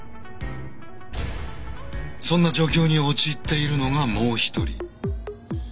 そんな状況に陥っているのがもう一人。